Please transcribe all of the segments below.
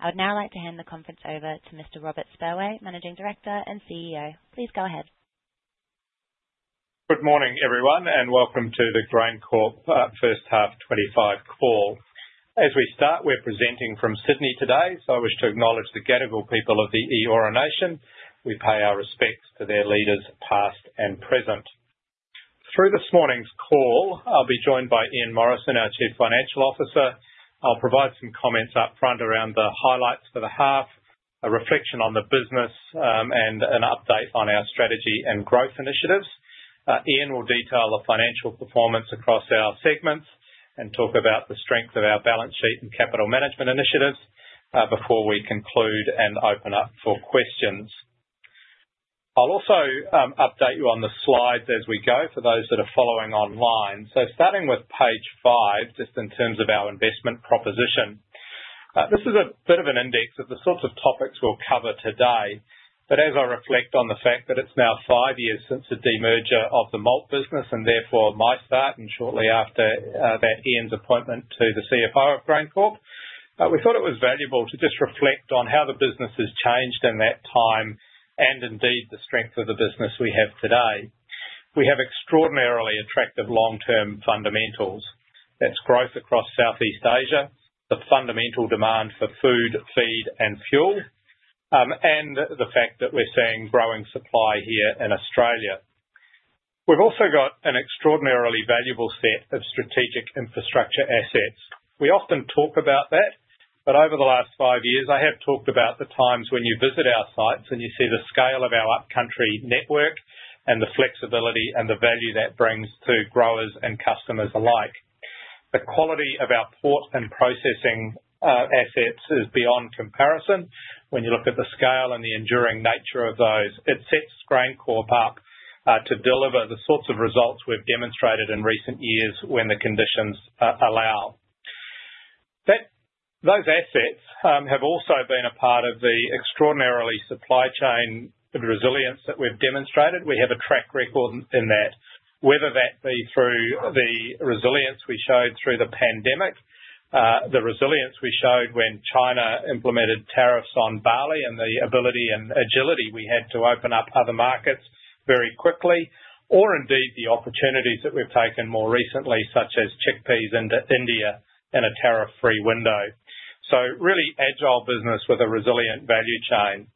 I would now like to hand the conference over to Mr. Robert Spurway, Managing Director and CEO. Please go ahead. Good morning, everyone, and welcome to the GrainCorp First Half 2025 call. As we start, we're presenting from Sydney today, so I wish to acknowledge the Gadigal people of the Eora Nation. We pay our respects to their leaders, past and present. Through this morning's call, I'll be joined by Ian Morrison, our Chief Financial Officer. I'll provide some comments upfront around the highlights for the half, a reflection on the business, and an update on our strategy and growth initiatives. Ian will detail the financial performance across our segments and talk about the strength of our balance sheet and capital management initiatives before we conclude and open up for questions. I'll also update you on the Slides as we go for those that are following online. Starting with page 5, just in terms of our investment proposition, this is a bit of an index of the sorts of topics we'll cover today. As I reflect on the fact that it's now 5 years since the demerger of the malt business, and therefore my start, and shortly after that Ian's appointment to the CFO of GrainCorp, we thought it was valuable to just reflect on how the business has changed in that time and indeed the strength of the business we have today. We have extraordinarily attractive long-term fundamentals. That's growth across Southeast Asia, the fundamental demand for food, feed, and fuel, and the fact that we're seeing growing supply here in Australia. We've also got an extraordinarily valuable set of strategic infrastructure assets. We often talk about that, but over the last 5 years, I have talked about the times when you visit our sites and you see the scale of our upcountry network and the flexibility and the value that brings to growers and customers alike. The quality of our port and processing assets is beyond comparison. When you look at the scale and the enduring nature of those, it sets GrainCorp up to deliver the sorts of results we have demonstrated in recent years when the conditions allow. Those assets have also been a part of the extraordinary supply chain resilience that we have demonstrated. We have a track record in that, whether that be through the resilience we showed through the pandemic, the resilience we showed when China implemented tariffs on barley, and the ability and agility we had to open up other markets very quickly, or indeed the opportunities that we've taken more recently, such as chickpeas into India in a tariff-free window. Really agile business with a resilient value chain.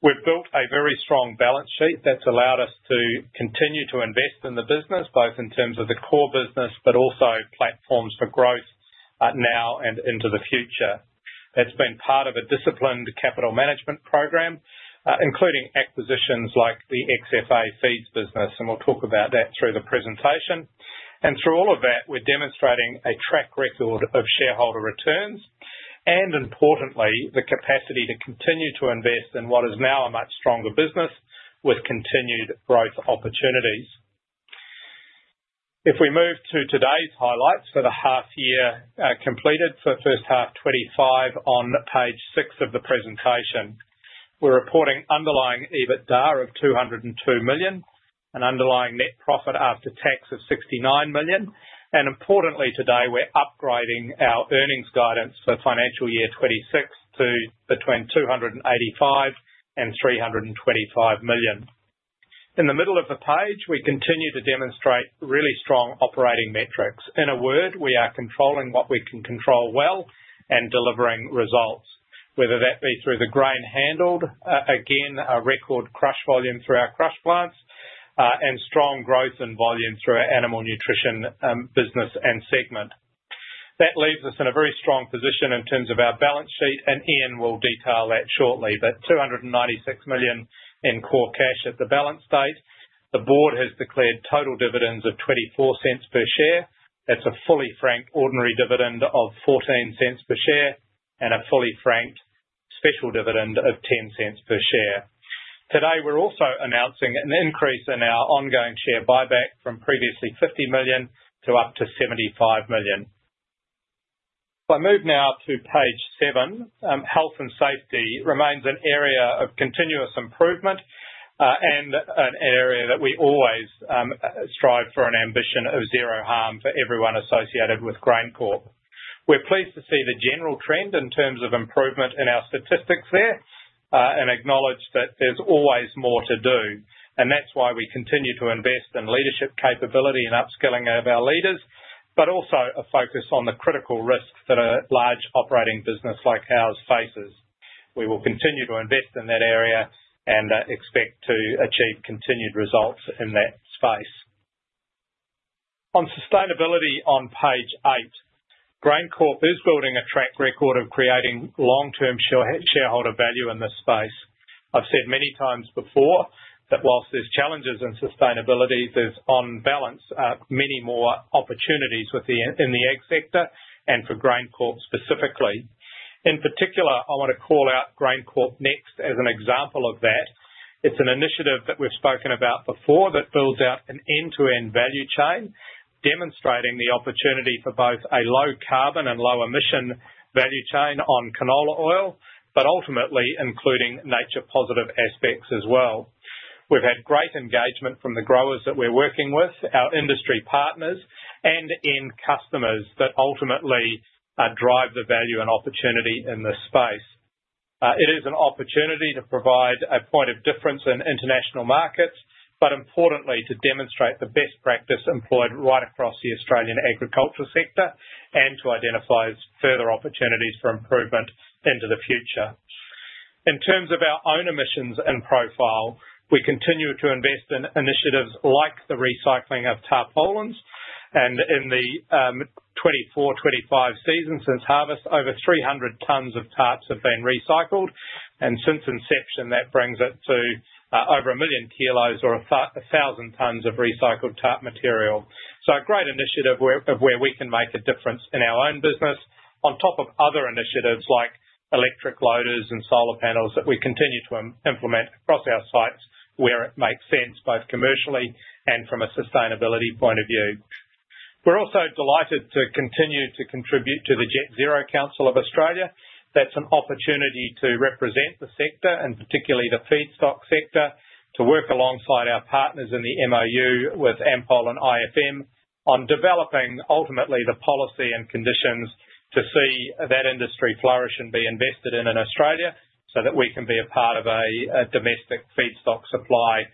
We've built a very strong balance sheet that's allowed us to continue to invest in the business, both in terms of the core business, but also platforms for growth now and into the future. That's been part of a disciplined capital management program, including acquisitions like the XFA Feeds business, and we'll talk about that through the presentation. Through all of that, we are demonstrating a track record of shareholder returns and, importantly, the capacity to continue to invest in what is now a much stronger business with continued growth opportunities. If we move to today's highlights for the half year completed for first half 2025 on page six of the presentation, we are reporting underlying EBITDA of 202 million, an underlying net profit after tax of 69 million. Importantly today, we are upgrading our earnings guidance for financial year 2026 to between 285 million and 325 million. In the middle of the page, we continue to demonstrate really strong operating metrics. In a word, we are controlling what we can control well and delivering results, whether that be through the grain handled, again, a record crush volume through our crush plants, and strong growth in volume through our animal nutrition business and segment. That leaves us in a very strong position in terms of our balance sheet, and Ian will detail that shortly. 296 million in core cash at the balance sheet. The board has declared total dividends of 0.24 per share. That is a fully franked ordinary dividend of 0.14 per share and a fully franked special dividend of 0.10 per share. Today, we are also announcing an increase in our ongoing share buyback from previously 50 million to up to 75 million. If I move now to page seven, health and safety remains an area of continuous improvement and an area that we always strive for an ambition of zero harm for everyone associated with GrainCorp. We are pleased to see the general trend in terms of improvement in our statistics there and acknowledge that there is always more to do. That is why we continue to invest in leadership capability and upskilling of our leaders, but also a focus on the critical risks that a large operating business like ours faces. We will continue to invest in that area and expect to achieve continued results in that space. On sustainability on page eight, GrainCorp is building a track record of creating long-term shareholder value in this space. I have said many times before that whilst there are challenges in sustainability, there are on balance many more opportunities in the ag sector and for GrainCorp specifically. In particular, I want to call out GrainCorp Next as an example of that. It is an initiative that we have spoken about before that builds out an end-to-end value chain, demonstrating the opportunity for both a low carbon and low emission value chain on canola oil, but ultimately including nature-positive aspects as well. We've had great engagement from the growers that we're working with, our industry partners, and end customers that ultimately drive the value and opportunity in this space. It is an opportunity to provide a point of difference in international markets, but importantly, to demonstrate the best practice employed right across the Australian agriculture sector and to identify further opportunities for improvement into the future. In terms of our own emissions and profile, we continue to invest in initiatives like the recycling of tar pollens. In the 24, 25 season since harvest, over 300 tons of tarps have been recycled. Since inception, that brings it to over a million kilos or 1,000 tons of recycled tarp material. A great initiative where we can make a difference in our own business on top of other initiatives like electric loaders and solar panels that we continue to implement across our sites where it makes sense, both commercially and from a sustainability point of view. We are also delighted to continue to contribute to the Jet Zero Council of Australia. That is an opportunity to represent the sector and particularly the feedstock sector, to work alongside our partners in the MOU with AMPOL and IFM on developing ultimately the policy and conditions to see that industry flourish and be invested in Australia so that we can be a part of a domestic feedstock supply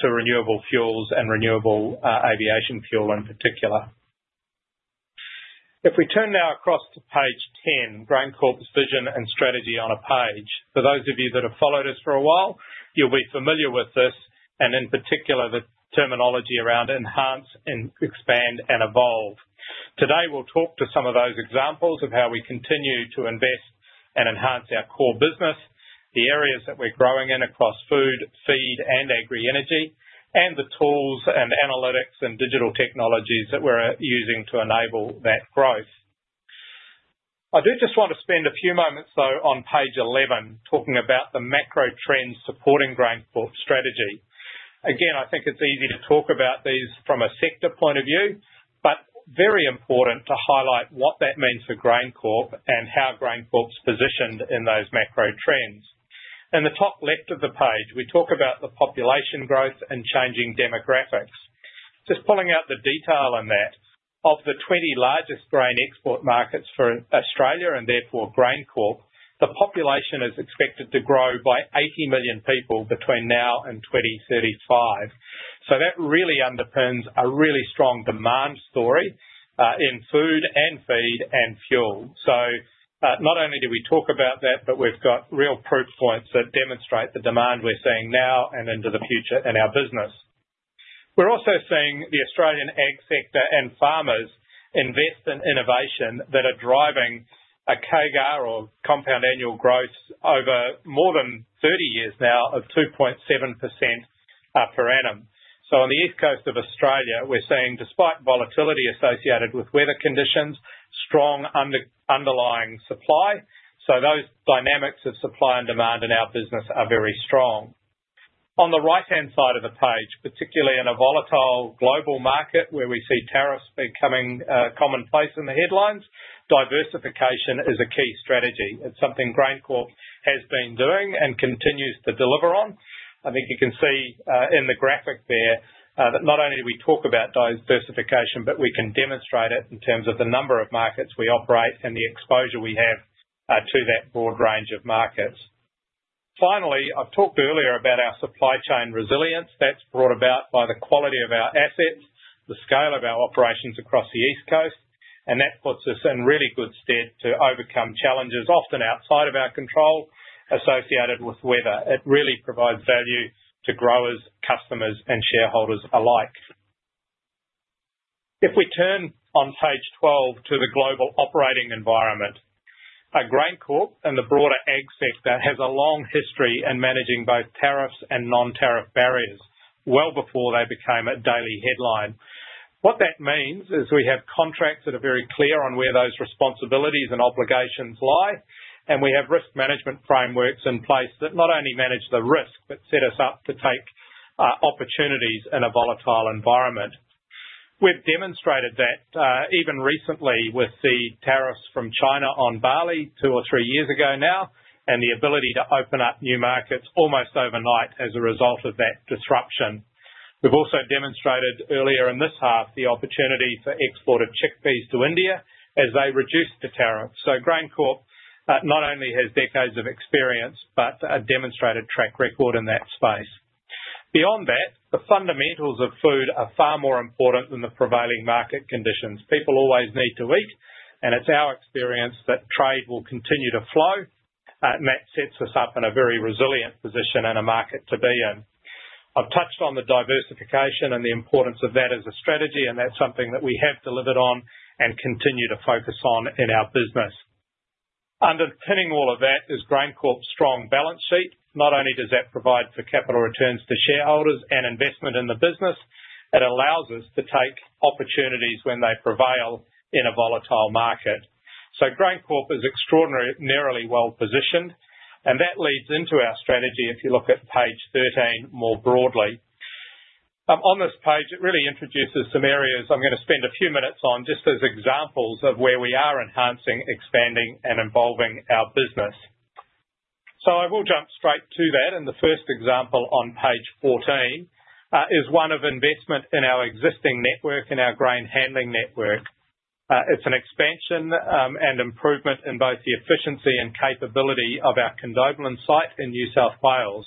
to renewable fuels and renewable aviation fuel in particular. If we turn now across to page 10, GrainCorp's vision and strategy on a page. For those of you that have followed us for a while, you'll be familiar with this and in particular the terminology around enhance, expand, and evolve. Today, we'll talk to some of those examples of how we continue to invest and enhance our core business, the areas that we're growing in across food, feed, and agri-energy, and the tools and analytics and digital technologies that we're using to enable that growth. I do just want to spend a few moments though on page 11, talking about the macro trends supporting GrainCorp strategy. Again, I think it's easy to talk about these from a sector point of view, but very important to highlight what that means for GrainCorp and how GrainCorp's positioned in those macro trends. In the top left of the page, we talk about the population growth and changing demographics. Just pulling out the detail on that, of the 20 largest grain export markets for Australia and therefore GrainCorp, the population is expected to grow by 80 million people between now and 2035. That really underpins a really strong demand story in food and feed and fuel. Not only do we talk about that, but we've got real proof points that demonstrate the demand we're seeing now and into the future in our business. We're also seeing the Australian ag sector and farmers invest in innovation that are driving a CAGR or compound annual growth over more than 30 years now of 2.7% per annum. On the east coast of Australia, we're seeing, despite volatility associated with weather conditions, strong underlying supply. Those dynamics of supply and demand in our business are very strong. On the right-hand side of the page, particularly in a volatile global market where we see tariffs becoming commonplace in the headlines, diversification is a key strategy. It's something GrainCorp has been doing and continues to deliver on. I think you can see in the graphic there that not only do we talk about diversification, but we can demonstrate it in terms of the number of markets we operate and the exposure we have to that broad range of markets. Finally, I've talked earlier about our supply chain resilience. That's brought about by the quality of our assets, the scale of our operations across the east coast, and that puts us in really good stead to overcome challenges often outside of our control associated with weather. It really provides value to growers, customers, and shareholders alike. If we turn on page 12 to the global operating environment, GrainCorp and the broader ag sector has a long history in managing both tariffs and non-tariff barriers well before they became a daily headline. What that means is we have contracts that are very clear on where those responsibilities and obligations lie, and we have risk management frameworks in place that not only manage the risk, but set us up to take opportunities in a volatile environment. We've demonstrated that even recently with the tariffs from China on barley two or three years ago now and the ability to open up new markets almost overnight as a result of that disruption. We've also demonstrated earlier in this half the opportunity for export of chickpeas to India as they reduce the tariffs. GrainCorp not only has decades of experience, but a demonstrated track record in that space. Beyond that, the fundamentals of food are far more important than the prevailing market conditions. People always need to eat, and it's our experience that trade will continue to flow, and that sets us up in a very resilient position in a market to be in. I've touched on the diversification and the importance of that as a strategy, and that's something that we have delivered on and continue to focus on in our business. Underpinning all of that is GrainCorp's strong balance sheet. Not only does that provide for capital returns to shareholders and investment in the business, it allows us to take opportunities when they prevail in a volatile market. GrainCorp is extraordinarily well positioned, and that leads into our strategy if you look at page 13 more broadly. On this page, it really introduces some areas I'm going to spend a few minutes on just as examples of where we are enhancing, expanding, and evolving our business. I will jump straight to that, and the first example on page 14 is one of investment in our existing network and our grain handling network. It's an expansion and improvement in both the efficiency and capability of our Condobolin site in New South Wales.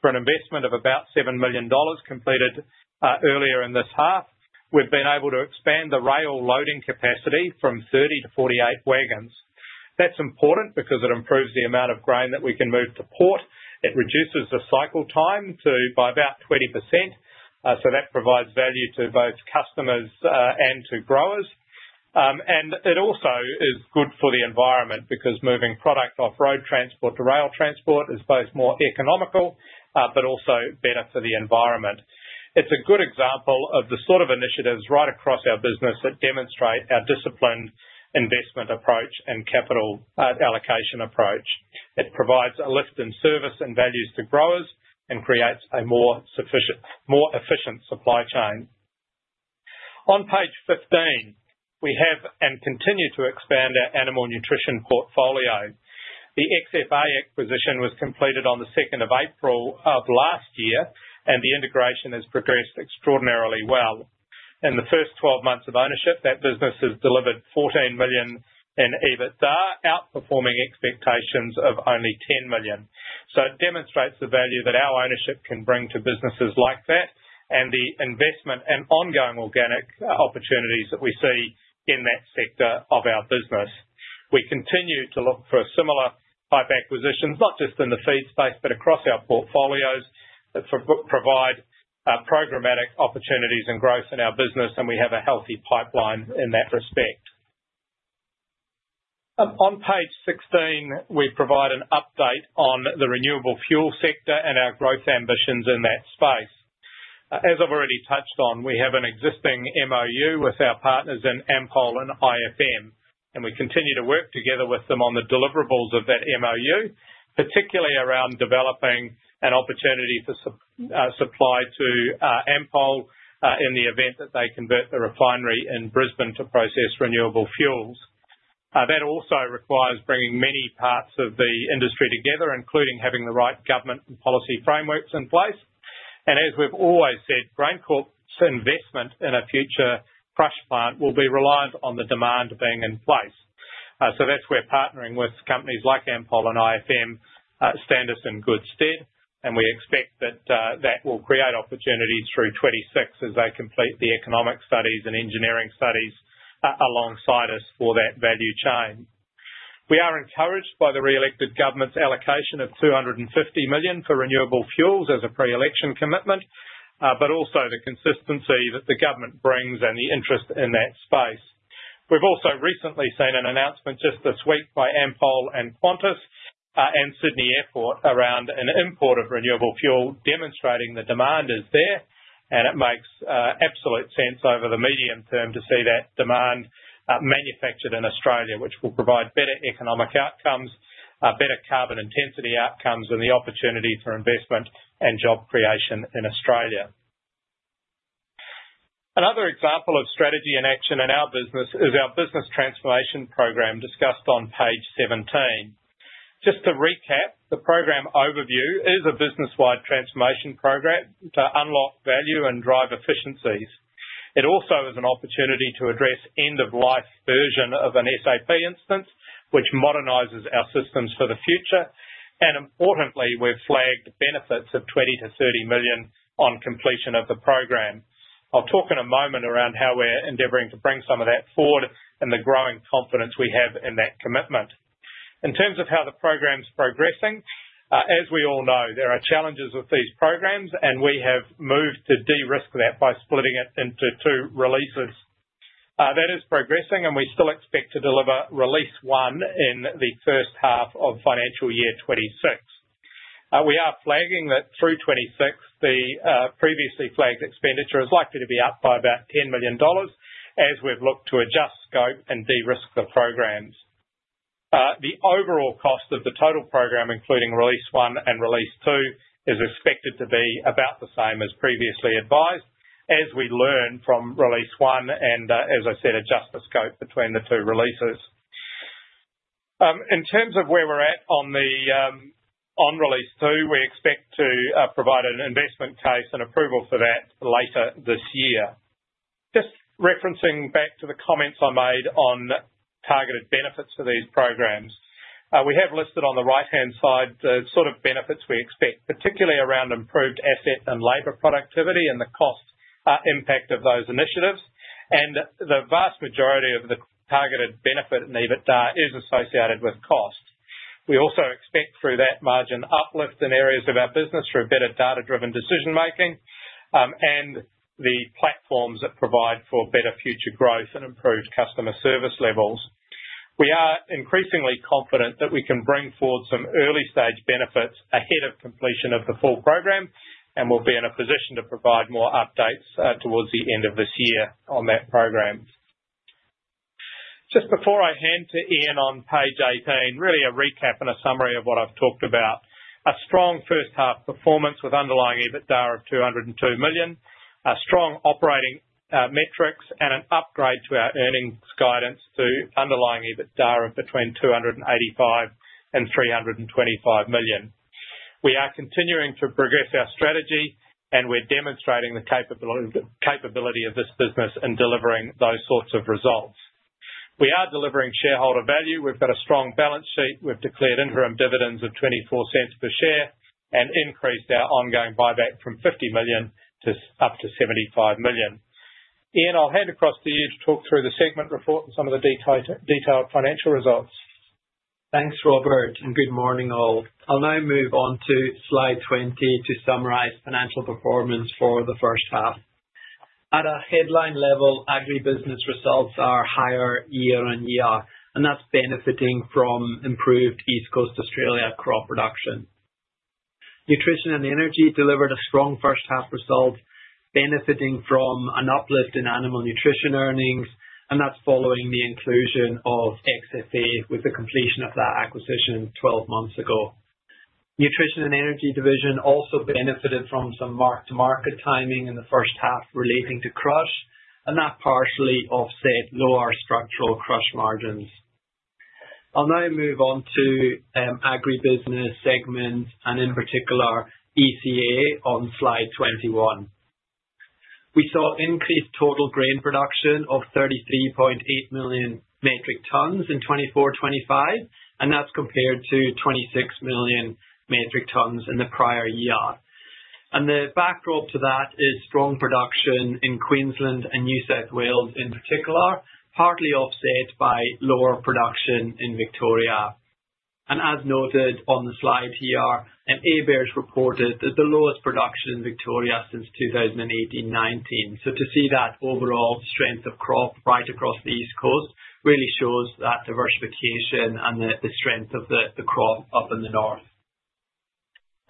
For an investment of about 7 million dollars completed earlier in this half, we've been able to expand the rail loading capacity from 30 to 48 wagons. That's important because it improves the amount of grain that we can move to port. It reduces the cycle time by about 20%, so that provides value to both customers and to growers. It also is good for the environment because moving product off-road transport to rail transport is both more economical, but also better for the environment. It is a good example of the sort of initiatives right across our business that demonstrate our disciplined investment approach and capital allocation approach. It provides a lift in service and values to growers and creates a more efficient supply chain. On page 15, we have and continue to expand our animal nutrition portfolio. The XFA acquisition was completed on the 2nd of April of last year, and the integration has progressed extraordinarily well. In the first 12 months of ownership, that business has delivered 14 million in EBITDA, outperforming expectations of only 10 million. It demonstrates the value that our ownership can bring to businesses like that and the investment and ongoing organic opportunities that we see in that sector of our business. We continue to look for similar type acquisitions, not just in the feed space, but across our portfolios that provide programmatic opportunities and growth in our business, and we have a healthy pipeline in that respect. On page 16, we provide an update on the renewable fuel sector and our growth ambitions in that space. As I've already touched on, we have an existing MOU with our partners in AMPOL and IFM, and we continue to work together with them on the deliverables of that MOU, particularly around developing an opportunity for supply to AMPOL in the event that they convert the refinery in Brisbane to process renewable fuels. That also requires bringing many parts of the industry together, including having the right government and policy frameworks in place. As we've always said, GrainCorp's investment in a future crush plant will be reliant on the demand being in place. That's where partnering with companies like AMPOL and IFM stand us in good stead, and we expect that that will create opportunities through 26 as they complete the economic studies and engineering studies alongside us for that value chain. We are encouraged by the re-elected government's allocation of 250 million for renewable fuels as a pre-election commitment, but also the consistency that the government brings and the interest in that space. We've also recently seen an announcement just this week by AMPOL and Qantas and Sydney Airport around an import of renewable fuel demonstrating the demand is there, and it makes absolute sense over the medium term to see that demand manufactured in Australia, which will provide better economic outcomes, better carbon intensity outcomes, and the opportunity for investment and job creation in Australia. Another example of strategy and action in our business is our business transformation program discussed on page 17. Just to recap, the program overview is a business-wide transformation program to unlock value and drive efficiencies. It also is an opportunity to address end-of-life version of an SAP instance, which modernizes our systems for the future. Importantly, we've flagged benefits of 20 million-30 million on completion of the program. I'll talk in a moment around how we're endeavoring to bring some of that forward and the growing confidence we have in that commitment. In terms of how the program's progressing, as we all know, there are challenges with these programs, and we have moved to de-risk that by splitting it into two releases. That is progressing, and we still expect to deliver release one in the first half of financial year 26. We are flagging that through 26, the previously flagged expenditure is likely to be up by about 10 million dollars as we've looked to adjust scope and de-risk the programs. The overall cost of the total program, including release one and release two, is expected to be about the same as previously advised, as we learn from release one and, as I said, adjust the scope between the two releases. In terms of where we're at on release two, we expect to provide an investment case and approval for that later this year. Just referencing back to the comments I made on targeted benefits for these programs, we have listed on the right-hand side the sort of benefits we expect, particularly around improved asset and labor productivity and the cost impact of those initiatives. The vast majority of the targeted benefit in EBITDA is associated with cost. We also expect through that margin uplift in areas of our business through better data-driven decision-making and the platforms that provide for better future growth and improved customer service levels. We are increasingly confident that we can bring forward some early-stage benefits ahead of completion of the full program, and we'll be in a position to provide more updates towards the end of this year on that program. Just before I hand to Ian on page 18, really a recap and a summary of what I've talked about. A strong first-half performance with underlying EBITDA of 202 million, strong operating metrics, and an upgrade to our earnings guidance to underlying EBITDA of between 285 million and 325 million. We are continuing to progress our strategy, and we're demonstrating the capability of this business in delivering those sorts of results. We are delivering shareholder value. We've got a strong balance sheet. We've declared interim dividends of 0.24 per share and increased our ongoing buyback from 50 million to up to 75 million. Ian, I'll hand across to you to talk through the segment report and some of the detailed financial results. Thanks, Robert, and good morning, all. I'll now move on to slide 20 to summarize financial performance for the first half. At a headline level, agribusiness results are higher year on year, and that's benefiting from improved East Coast Australia crop production. Nutrition and energy delivered a strong first-half result, benefiting from an uplift in animal nutrition earnings, and that's following the inclusion of XFA with the completion of that acquisition 12 months ago. Nutrition and energy division also benefited from some mark-to-market timing in the first half relating to crush, and that partially offset lower structural crush margins. I'll now move on to agribusiness segment and, in particular, ECA on slide 21. We saw increased total grain production of 33.8 million metric tons in 2024-2025, and that's compared to 26 million metric tons in the prior year. The backdrop to that is strong production in Queensland and New South Wales in particular, partly offset by lower production in Victoria. As noted on the slide here, AMPOL has reported the lowest production in Victoria since 2018-2019. To see that overall strength of crop right across the East Coast really shows that diversification and the strength of the crop up in the north.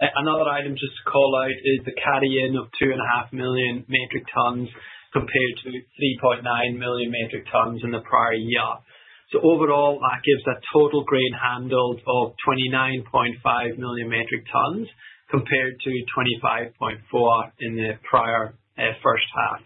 Another item just to call out is the carry-in of 2.5 million metric tons compared to 3.9 million metric tons in the prior year. Overall, that gives a total grain handled of 29.5 million metric tons compared to 25.4 in the prior first half.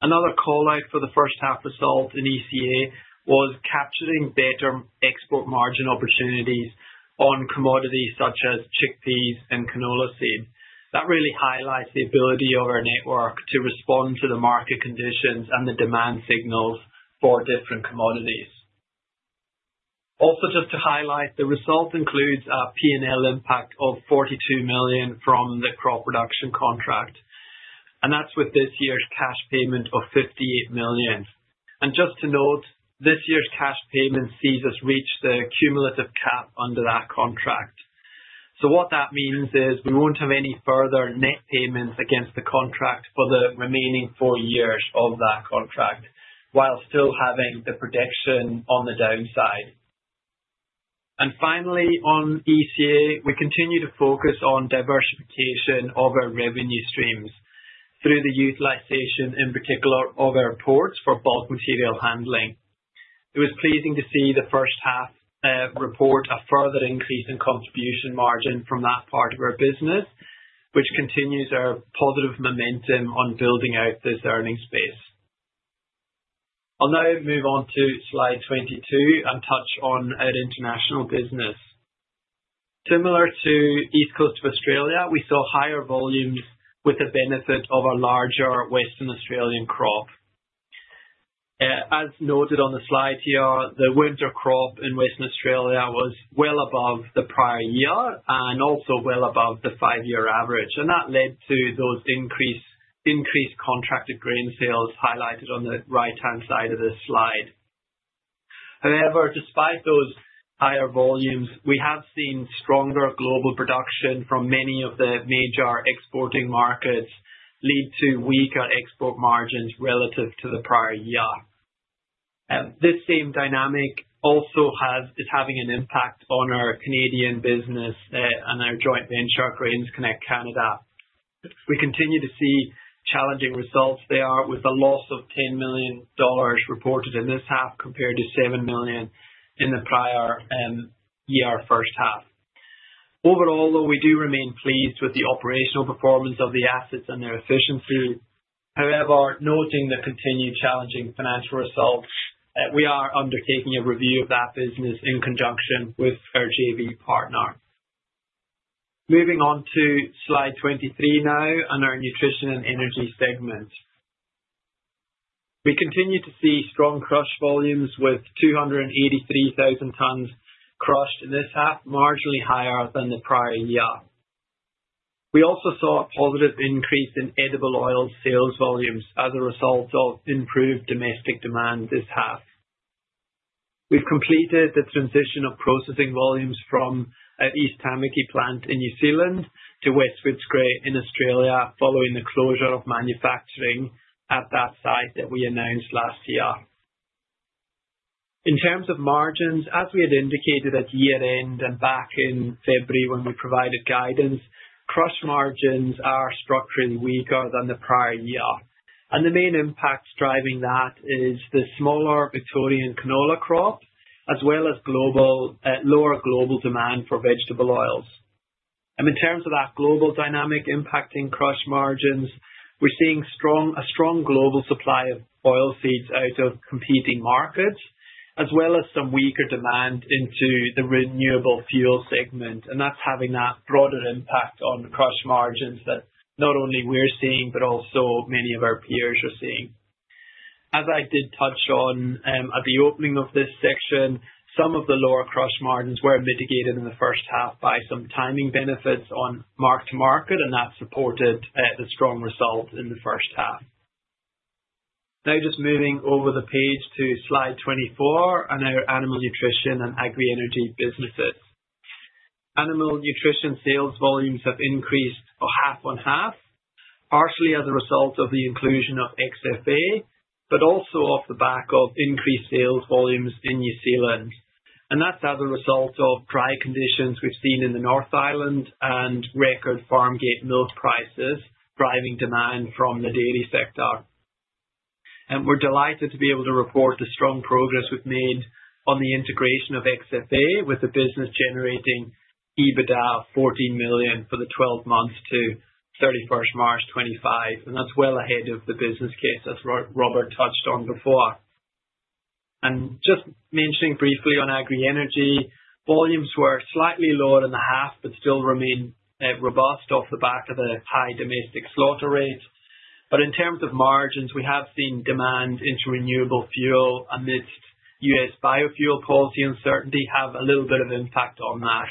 Another callout for the first-half result in ECA was capturing better export margin opportunities on commodities such as chickpeas and canola seed. That really highlights the ability of our network to respond to the market conditions and the demand signals for different commodities. Also, just to highlight, the result includes a P&L impact of 42 million from the crop production contract, and that's with this year's cash payment of 58 million. Just to note, this year's cash payment sees us reach the cumulative cap under that contract. What that means is we will not have any further net payments against the contract for the remaining four years of that contract while still having the protection on the downside. Finally, on ECA, we continue to focus on diversification of our revenue streams through the utilization, in particular, of our ports for bulk material handling. It was pleasing to see the first half report a further increase in contribution margin from that part of our business, which continues our positive momentum on building out this earning space. I will now move on to slide 22 and touch on our international business. Similar to East Coast of Australia, we saw higher volumes with the benefit of a larger Western Australian crop. As noted on the slide here, the winter crop in Western Australia was well above the prior year and also well above the five-year average, and that led to those increased contracted grain sales highlighted on the right-hand side of this slide. However, despite those higher volumes, we have seen stronger global production from many of the major exporting markets lead to weaker export margins relative to the prior year. This same dynamic also is having an impact on our Canadian business and our joint venture, Grains Connect Canada. We continue to see challenging results there with a loss of 10 million dollars reported in this half compared to 7 million in the prior year first half. Overall, though, we do remain pleased with the operational performance of the assets and their efficiency. However, noting the continued challenging financial results, we are undertaking a review of that business in conjunction with our JV partner. Moving on to slide 23 now and our nutrition and energy segment. We continue to see strong crush volumes with 283,000 tons crushed in this half, marginally higher than the prior year. We also saw a positive increase in edible oil sales volumes as a result of improved domestic demand this half. We have completed the transition of processing volumes from East Tamaki plant in New Zealand to West Footscray in Australia following the closure of manufacturing at that site that we announced last year. In terms of margins, as we had indicated at year-end and back in February when we provided guidance, crush margins are structurally weaker than the prior year. The main impact driving that is the smaller Victorian canola crop, as well as lower global demand for vegetable oils. In terms of that global dynamic impacting crush margins, we're seeing a strong global supply of oilseeds out of competing markets, as well as some weaker demand into the renewable fuel segment, and that's having that broader impact on crush margins that not only we're seeing, but also many of our peers are seeing. As I did touch on at the opening of this section, some of the lower crush margins were mitigated in the first half by some timing benefits on mark-to-market, and that supported the strong result in the first half. Now, just moving over the page to slide 24 and our animal nutrition and agri-energy businesses. Animal nutrition sales volumes have increased half on half, partially as a result of the inclusion of XFA Feeds, but also off the back of increased sales volumes in New Zealand. That is as a result of dry conditions we have seen in the North Island and record farm gate milk prices driving demand from the dairy sector. We are delighted to be able to report the strong progress we have made on the integration of XFA with the business generating EBITDA of 14 million for the 12 months to 31 March 2025, and that is well ahead of the business case that Robert touched on before. Just mentioning briefly on agri-energy, volumes were slightly lower than the half, but still remain robust off the back of the high domestic slaughter rate. In terms of margins, we have seen demand into renewable fuel amidst U.S. biofuel policy uncertainty have a little bit of impact on that.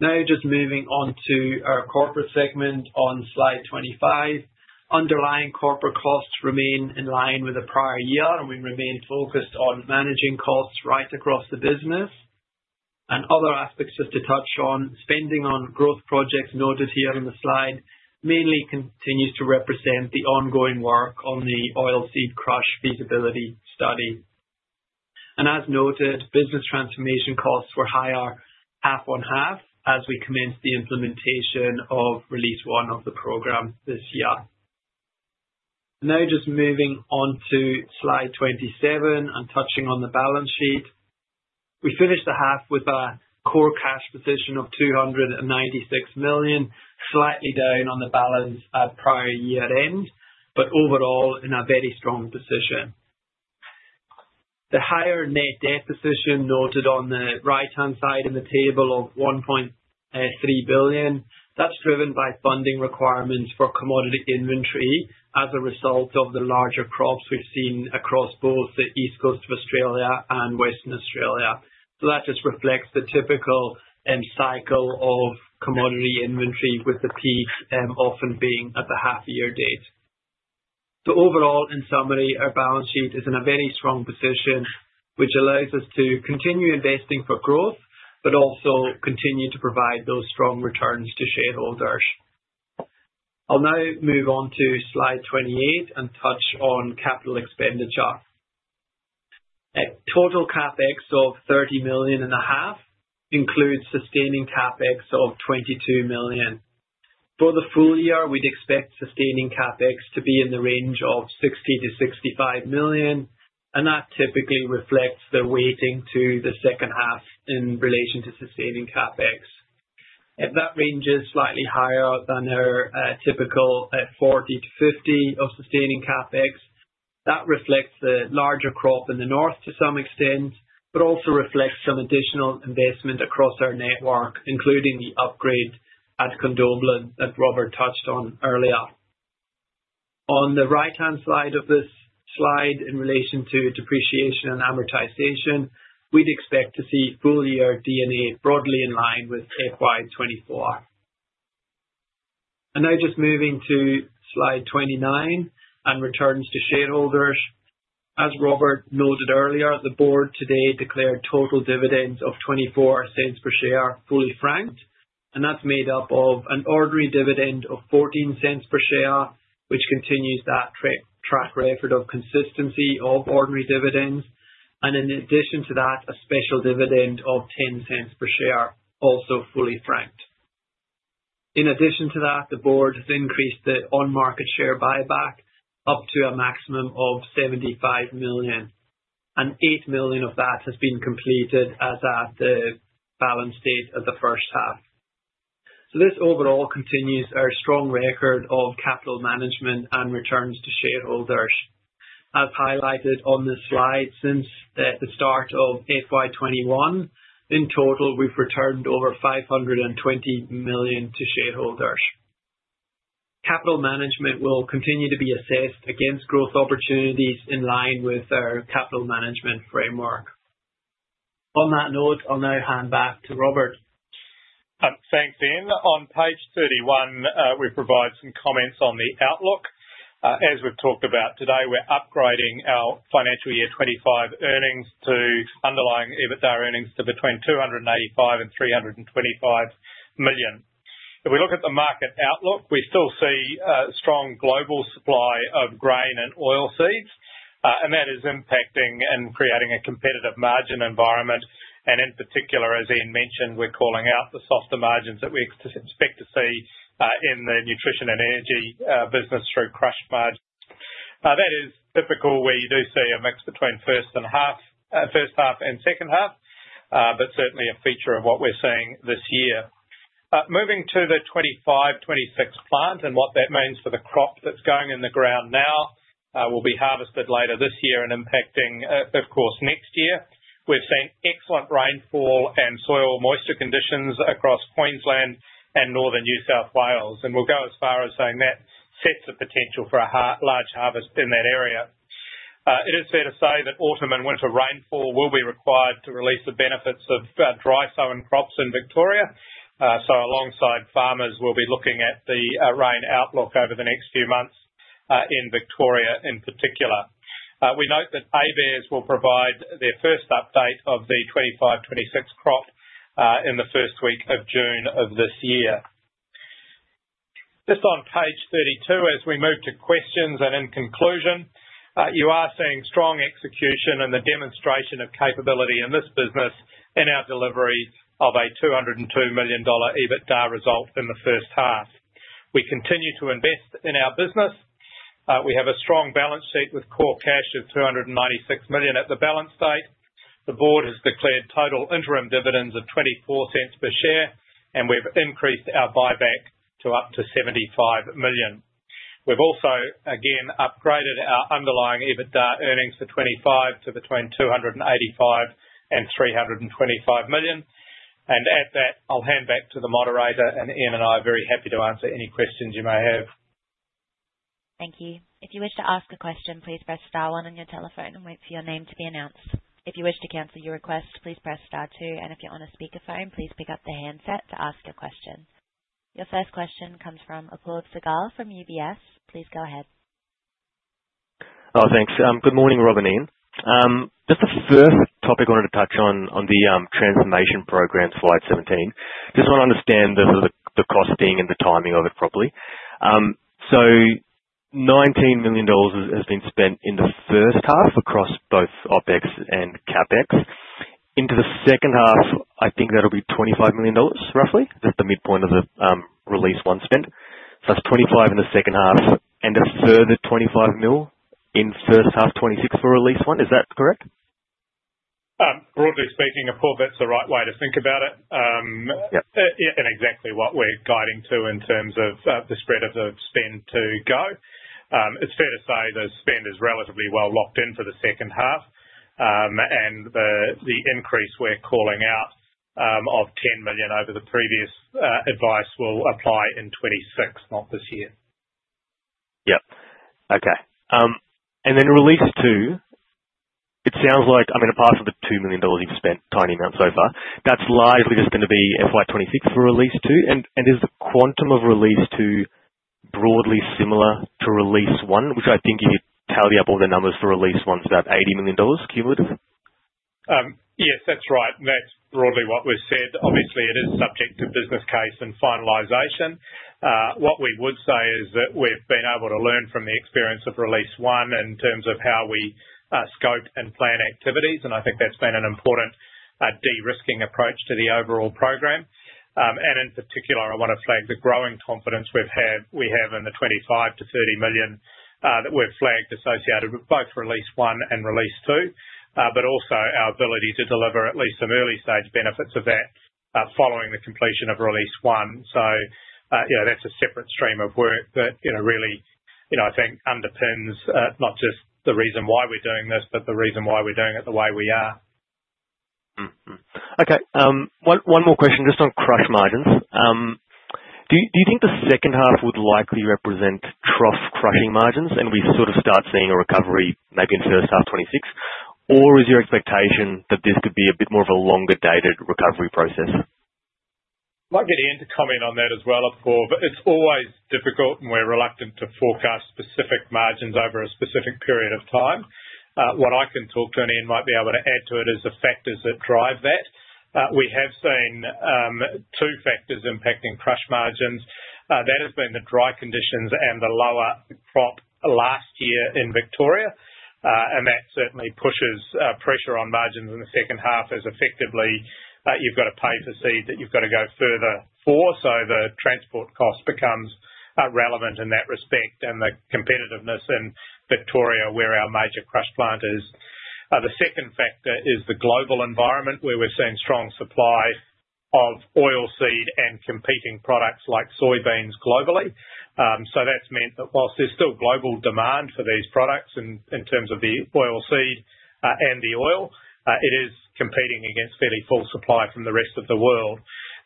Now, just moving on to our corporate segment on slide 25, underlying corporate costs remain in line with the prior year, and we remain focused on managing costs right across the business. Other aspects just to touch on, spending on growth projects noted here on the slide mainly continues to represent the ongoing work on the oilseed crush feasibility study. As noted, business transformation costs were higher half on half as we commenced the implementation of release one of the program this year. Now, just moving on to slide 27 and touching on the balance sheet, we finished the half with a core cash position of 296 million, slightly down on the balance at prior year-end, but overall in a very strong position. The higher net debt position noted on the right-hand side in the table of 1.3 billion, that's driven by funding requirements for commodity inventory as a result of the larger crops we've seen across both the East Coast of Australia and Western Australia. That just reflects the typical cycle of commodity inventory with the peak often being at the half-year date. Overall, in summary, our balance sheet is in a very strong position, which allows us to continue investing for growth, but also continue to provide those strong returns to shareholders. I'll now move on to slide 28 and touch on capital expenditure. Total CapEx of 30 million and a half includes sustaining CapEx of 22 million. For the full year, we'd expect sustaining CapEx to be in the range of 60 million-65 million, and that typically reflects the weighting to the second half in relation to sustaining CapEx. If that range is slightly higher than our typical 40 million-50 million of sustaining CapEx, that reflects the larger crop in the north to some extent, but also reflects some additional investment across our network, including the upgrade at Condobolin that Robert touched on earlier. On the right-hand side of this slide in relation to depreciation and amortization, we'd expect to see full-year D&A broadly in line with FY 24. Now, just moving to Slide 29 and returns to shareholders. As Robert noted earlier, the board today declared total dividends of 0.24 per share fully franked, and that's made up of an ordinary dividend of 0.14 per share, which continues that track record of consistency of ordinary dividends, and in addition to that, a special dividend of 0.10 per share, also fully franked. In addition to that, the board has increased the on-market share buyback up to a maximum of 75 million, and 8 million of that has been completed as at the balance date of the first half. This overall continues our strong record of capital management and returns to shareholders. As highlighted on this slide, since the start of FY 21, in total, we've returned over 520 million to shareholders. Capital management will continue to be assessed against growth opportunities in line with our capital management framework. On that note, I'll now hand back to Robert. Thanks, Ian. On page 31, we provide some comments on the outlook. As we've talked about today, we're upgrading our financial year 2025 earnings to underlying EBITDA earnings to between 285 million and 325 million. If we look at the market outlook, we still see a strong global supply of grain and oilseeds, and that is impacting and creating a competitive margin environment. In particular, as Ian mentioned, we're calling out the softer margins that we expect to see in the nutrition and energy business through crush margins. That is typical where you do see a mix between first half and second half, but certainly a feature of what we're seeing this year. Moving to the 25, 26 plant and what that means for the crop that's going in the ground now will be harvested later this year and impacting, of course, next year. We've seen excellent rainfall and soil moisture conditions across Queensland and northern New South Wales, and we'll go as far as saying that sets the potential for a large harvest in that area. It is fair to say that autumn and winter rainfall will be required to release the benefits of dry sowing crops in Victoria. Alongside farmers, we'll be looking at the rain outlook over the next few months in Victoria in particular. We note that ABERS will provide their first update of the 25, 26 crop in the first week of June of this year. Just on page 32, as we move to questions and in conclusion, you are seeing strong execution and the demonstration of capability in this business in our delivery of a 202 million dollar EBITDA result in the first half. We continue to invest in our business. We have a strong balance sheet with core cash of 296 million at the balance date. The board has declared total interim dividends of 0.24 per share, and we have increased our buyback to up to 75 million. We have also, again, upgraded our underlying EBITDA earnings for 2025 to between 285 million-325 million. At that, I will hand back to the moderator, and Ian and I are very happy to answer any questions you may have. Thank you. If you wish to ask a question, please press star 1 on your telephone and wait for your name to be announced. If you wish to cancel your request, please press star two, and if you're on a speakerphone, please pick up the handset to ask your question. Your first question comes from Apruv Sagal from UBS. Please go ahead. Oh, thanks. Good morning, Robert and Ian. Just the first topic I wanted to touch on on the transformation program slide 17. Just want to understand the costing and the timing of it properly. So 19 million dollars has been spent in the first half across both OpEx and CapEx. Into the second half, I think that'll be 25 million dollars, roughly, just the midpoint of the release one spent. So that's 25 million in the second half and a further 25 million in first half 2026 for release one. Is that correct? Broadly speaking, Apruv, that's the right way to think about it and exactly what we're guiding to in terms of the spread of the spend to go. It's fair to say the spend is relatively well locked in for the second half, and the increase we're calling out of 10 million over the previous advice will apply in 26, not this year. Yep. Okay. And then release two, it sounds like, I mean, apart from the 2 million dollars you've spent, tiny amount so far, that's largely just going to be FY 26 for release two. And is the quantum of release two broadly similar to release one, which I think if you tally up all the numbers for release one, it's about 80 million dollars cumulative? Yes, that's right. That's broadly what we've said. Obviously, it is subject to business case and finalization. What we would say is that we've been able to learn from the experience of release one in terms of how we scoped and plan activities, and I think that's been an important de-risking approach to the overall program. In particular, I want to flag the growing confidence we have in the 25 million-30 million that we've flagged associated with both release one and release two, but also our ability to deliver at least some early-stage benefits of that following the completion of release one. That's a separate stream of work that really, I think, underpins not just the reason why we're doing this, but the reason why we're doing it the way we are. Okay. One more question just on crush margins. Do you think the second half would likely represent trough crushing margins and we sort of start seeing a recovery maybe in first half 26, or is your expectation that this could be a bit more of a longer-dated recovery process? Might get Ian to come in on that as well, Apoor, but it's always difficult and we're reluctant to forecast specific margins over a specific period of time. What I can talk to and Ian might be able to add to it is the factors that drive that. We have seen two factors impacting crush margins. That has been the dry conditions and the lower crop last year in Victoria, and that certainly pushes pressure on margins in the second half as effectively you've got to pay for seed that you've got to go further for. The transport cost becomes relevant in that respect and the competitiveness in Victoria, where our major crush plant is. The second factor is the global environment where we have seen strong supply of oilseed and competing products like soybeans globally. That has meant that whilst there is still global demand for these products in terms of the oilseed and the oil, it is competing against fairly full supply from the rest of the world.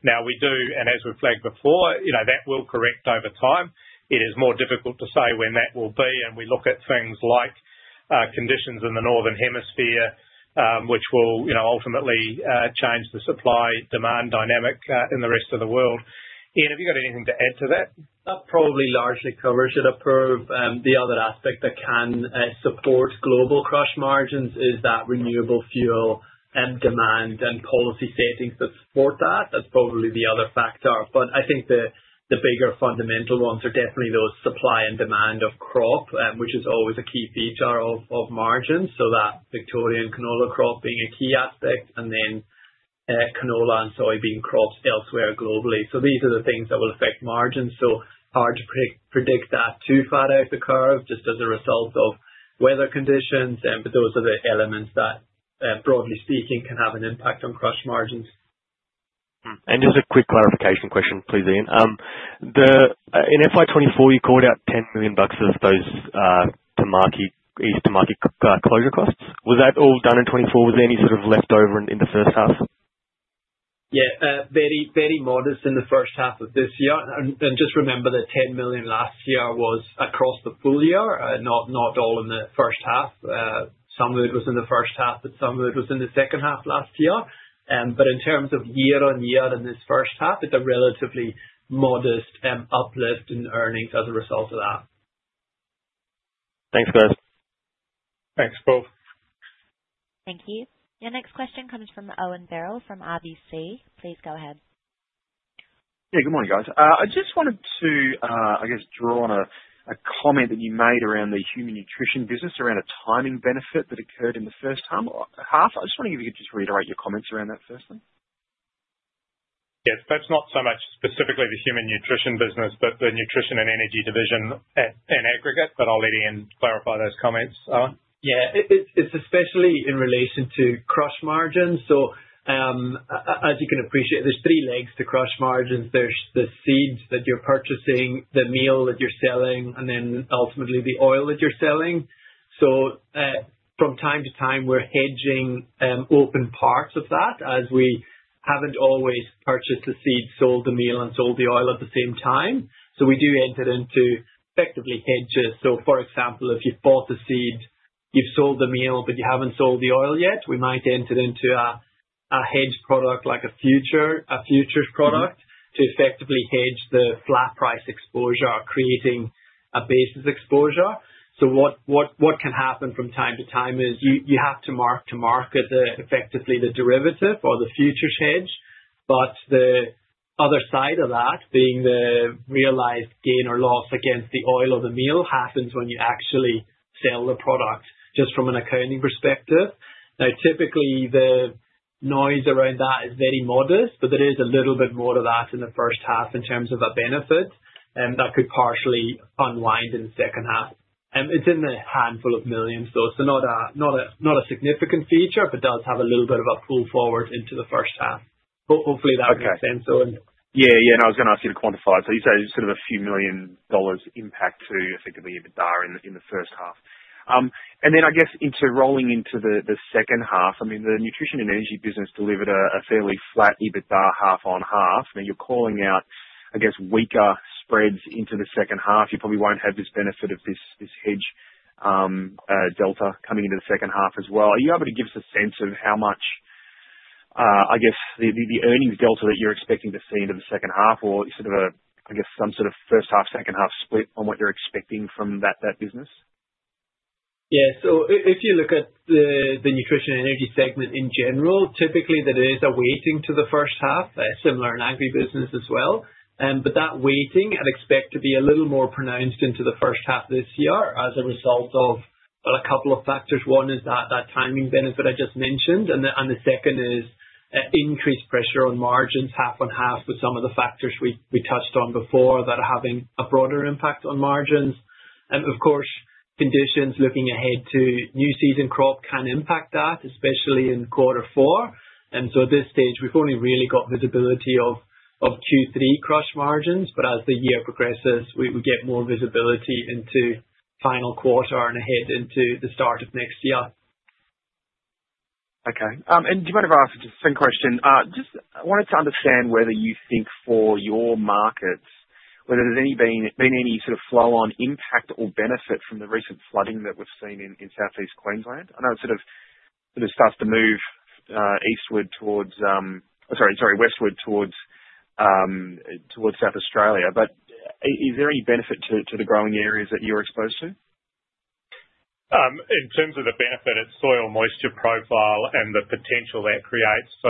Now, we do, and as we have flagged before, that will correct over time. It is more difficult to say when that will be, and we look at things like conditions in the northern hemisphere, which will ultimately change the supply-demand dynamic in the rest of the world. Ian, have you got anything to add to that? That probably largely covers it. I'll prove. The other aspect that can support global crush margins is that renewable fuel and demand and policy settings that support that. That is probably the other factor. I think the bigger fundamental ones are definitely those supply and demand of crop, which is always a key feature of margins. That Victorian canola crop being a key aspect and then canola and soybean crops elsewhere globally. These are the things that will affect margins. It is hard to predict that too far out the curve just as a result of weather conditions, but those are the elements that, broadly speaking, can have an impact on crush margins. Just a quick clarification question, please, Ian. In FY 2024, you called out 10 million bucks of those East Tamaki closure costs. Was that all done in 2024? Was there any sort of leftover in the first half? Yeah. Very, very modest in the first half of this year. Just remember that 10 million last year was across the full year, not all in the first half. Some of it was in the first half, but some of it was in the second half last year. In terms of year-on-year in this first half, it is a relatively modest uplift in earnings as a result of that. Thanks, guys. Thanks, Paul. Thank you. Your next question comes from Owen Birell from RBC. Please go ahead. Yeah. Good morning, guys. I just wanted to, I guess, draw on a comment that you made around the human nutrition business, around a timing benefit that occurred in the first half. I just want to give you a chance to reiterate your comments around that first one. Yes. That's not so much specifically the human nutrition business, but the nutrition and energy division in aggregate. I'll let Ian clarify those comments. Yeah. It's especially in relation to crush margins. As you can appreciate, there are three legs to crush margins. There are the seeds that you're purchasing, the meal that you're selling, and then ultimately the oil that you're selling. From time to time, we're hedging open parts of that as we haven't always purchased the seed, sold the meal, and sold the oil at the same time. We do enter into effectively hedges. For example, if you've bought the seed, you've sold the meal, but you haven't sold the oil yet, we might enter into a hedge product like a futures product to effectively hedge the flat price exposure, creating a basis exposure. What can happen from time to time is you have to mark to market effectively the derivative or the futures hedge. The other side of that, being the realized gain or loss against the oil or the meal, happens when you actually sell the product just from an accounting perspective. Typically, the noise around that is very modest, but there is a little bit more to that in the first half in terms of a benefit that could partially unwind in the second half. It is in the handful of millions, though, so not a significant feature, but does have a little bit of a pull forward into the first half. Hopefully, that makes sense, Owen. Yeah. Yeah. I was going to ask you to quantify it. You say sort of a few million dollars impact to effectively EBITDA in the first half. I guess interrolling into the second half, I mean, the nutrition and energy business delivered a fairly flat EBITDA half on half. Now, you're calling out, I guess, weaker spreads into the second half. You probably won't have this benefit of this hedge delta coming into the second half as well. Are you able to give us a sense of how much, I guess, the earnings delta that you're expecting to see into the second half, or sort of, I guess, some sort of first half, second half split on what you're expecting from that business? Yeah. If you look at the nutrition and energy segment in general, typically there is a weighting to the first half, similar in agri business as well. That weighting, I'd expect to be a little more pronounced into the first half this year as a result of a couple of factors. One is that timing benefit I just mentioned, and the second is increased pressure on margins, half on half, with some of the factors we touched on before that are having a broader impact on margins. Of course, conditions looking ahead to new season crop can impact that, especially in quarter four. At this stage, we've only really got visibility of Q3 crush margins, but as the year progresses, we get more visibility into final quarter and ahead into the start of next year. Okay. Do you mind if I ask just a quick question? Just wanted to understand whether you think for your markets whether there's been any sort of flow-on impact or benefit from the recent flooding that we've seen in southeast Queensland. I know it sort of starts to move westward towards South Australia. Is there any benefit to the growing areas that you're exposed to? In terms of the benefit, it's soil moisture profile and the potential that creates for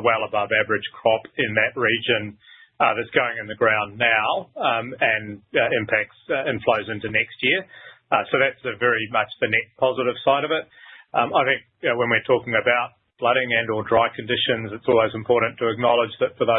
a well above average crop in that region that's going in the ground now and impacts and flows into next year. That is very much the net positive side of it. I think when we're talking about flooding and/or dry conditions, it's always important to acknowledge that for the.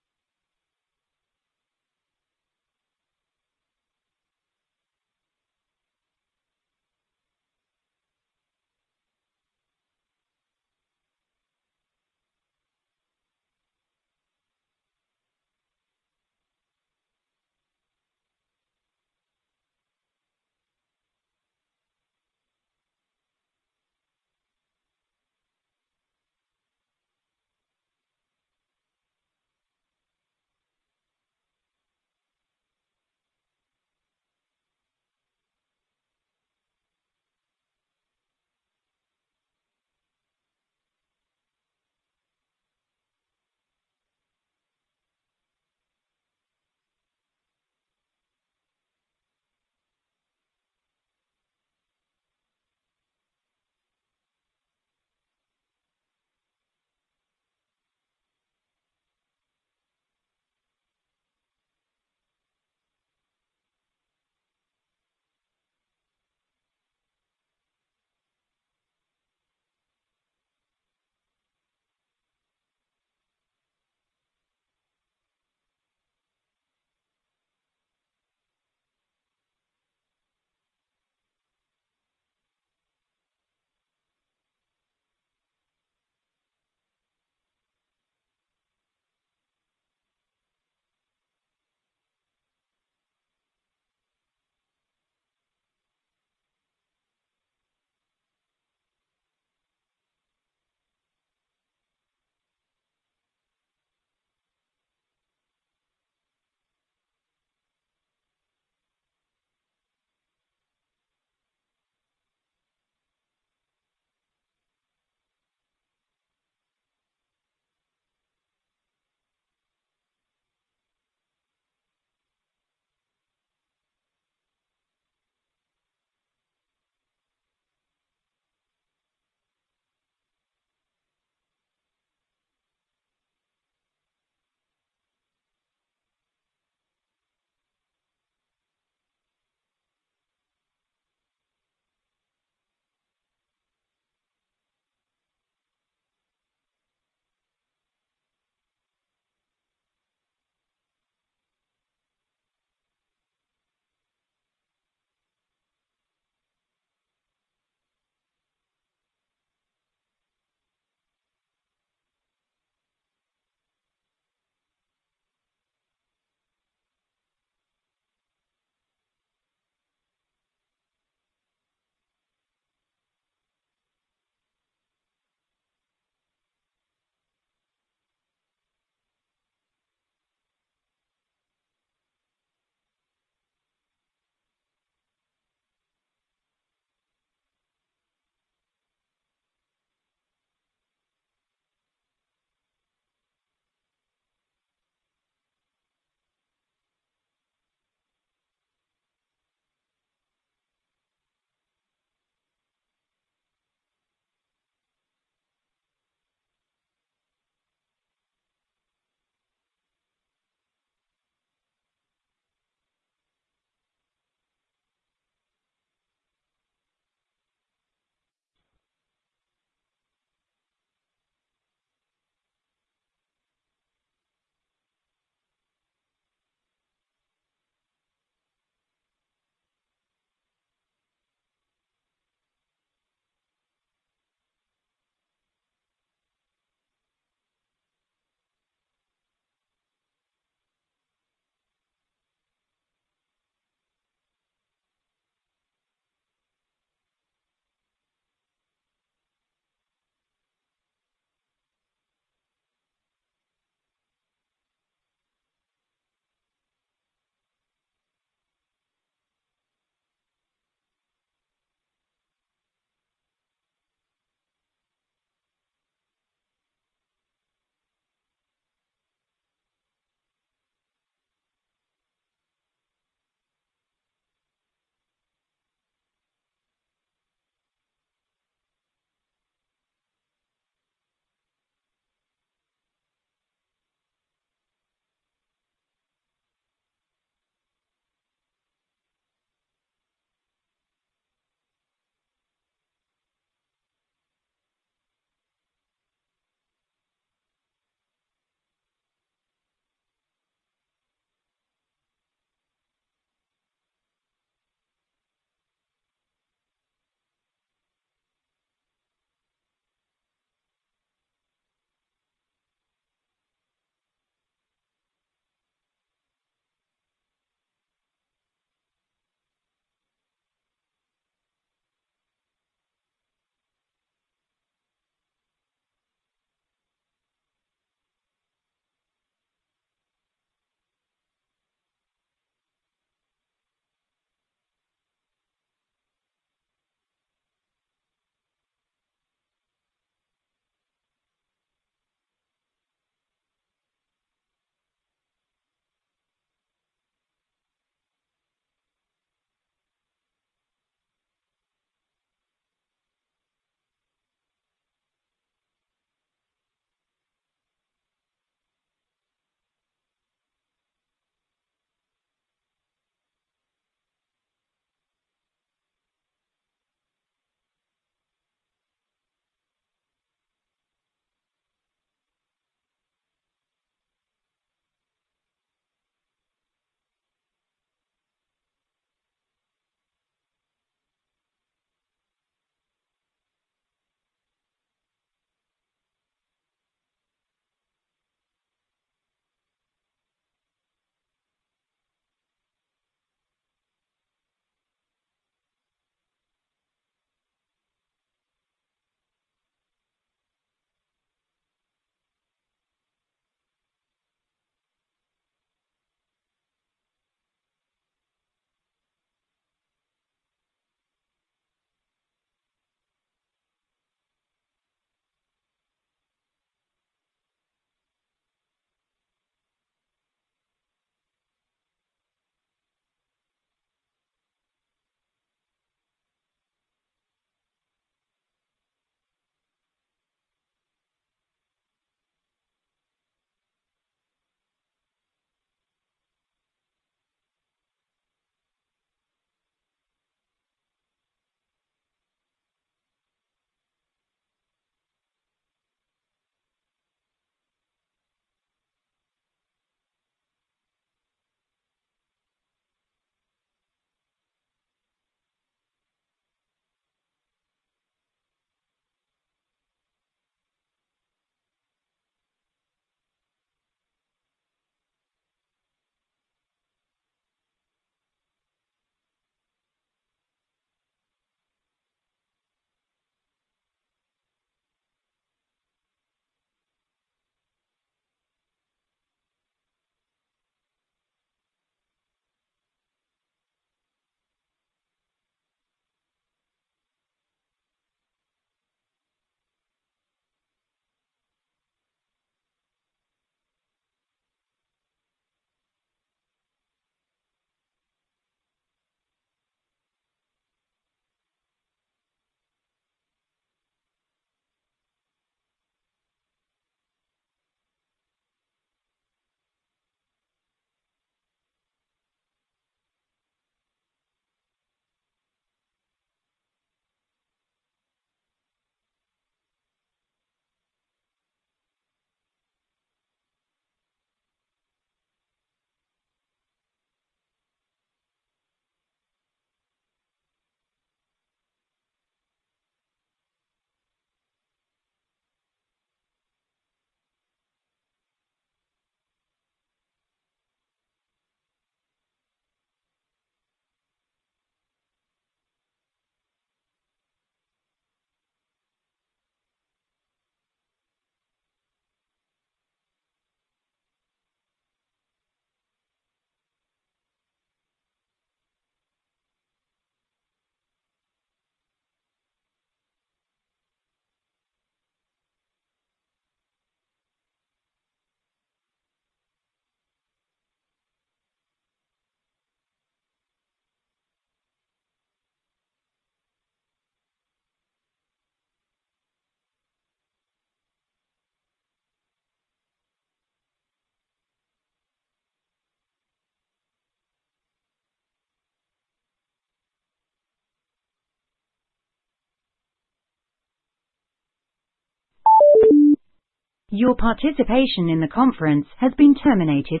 Your participation in the conference has been terminated.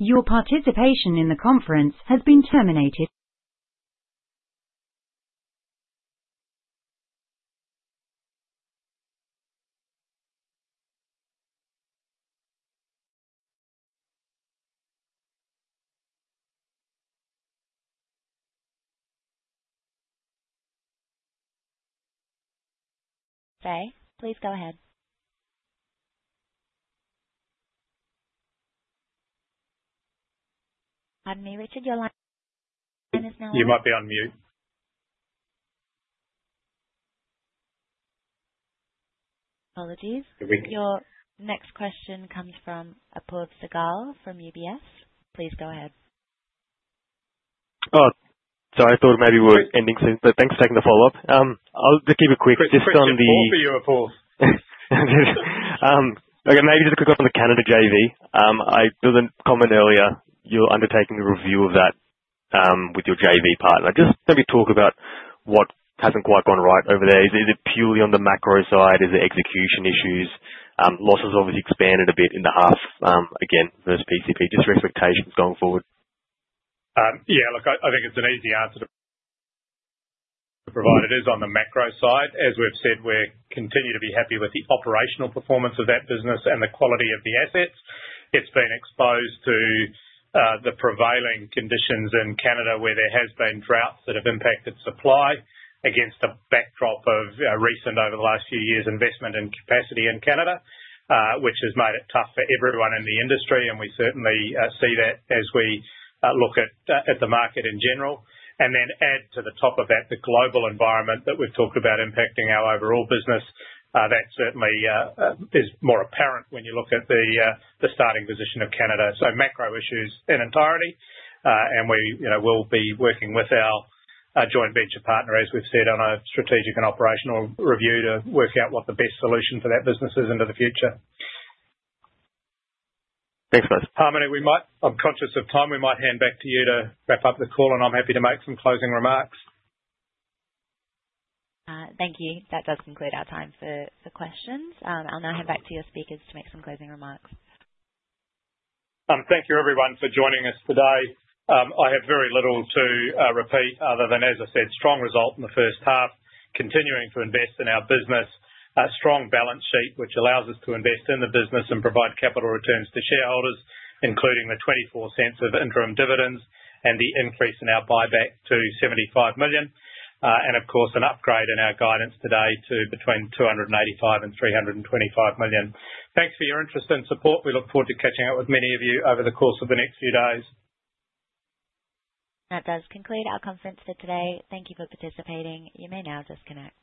Your participation in the conference has been terminated. Okay. Please go ahead. I've narrated your line. You might be on mute. Apologies. Your next question comes from Apurv Segal from UBS. Please go ahead. Oh. I thought maybe we were ending soon. Thanks for taking the follow-up. I'll just keep it quick. Just on the—great, thank you for your applause. Maybe just a quick one on the Grains Connect Canada JV. I did not comment earlier, you're undertaking the review of that with your JV partner. Just maybe talk about what has not quite gone right over there. Is it purely on the macro side? Is it execution issues? Losses have obviously expanded a bit in the half again versus PCP. Just your expectations going forward. Yeah. Look, I think it is an easy answer to provide. It is on the macro side. As we have said, we continue to be happy with the operational performance of that business and the quality of the assets. It's been exposed to the prevailing conditions in Canada where there have been droughts that have impacted supply against a backdrop of recent, over the last few years, investment and capacity in Canada, which has made it tough for everyone in the industry. We certainly see that as we look at the market in general. Add to the top of that the global environment that we've talked about impacting our overall business. That certainly is more apparent when you look at the starting position of Canada. Macro issues in entirety. We will be working with our joint venture partner, as we've said, on a strategic and operational review to work out what the best solution for that business is into the future. Thanks, mate. I'm conscious of time. We might hand back to you to wrap up the call, and I'm happy to make some closing remarks. Thank you. That does conclude our time for questions. I'll now hand back to your speakers to make some closing remarks. Thank you, everyone, for joining us today. I have very little to repeat other than, as I said, strong result in the first half, continuing to invest in our business, a strong balance sheet which allows us to invest in the business and provide capital returns to shareholders, including the 0.24 of interim dividends and the increase in our buyback to 75 million. Of course, an upgrade in our guidance today to between 285 million and 325 million. Thanks for your interest and support. We look forward to catching up with many of you over the course of the next few days. That does conclude our conference for today. Thank you for participating. You may now disconnect.